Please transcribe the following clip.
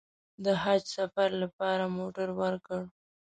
د حج سفر لپاره موټر ورکړ.